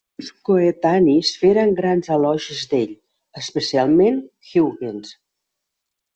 Llurs coetanis feren grans elogis d'ell, especialment Huygens.